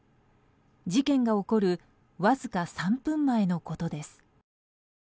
事件が起こるわずか３分前のことです。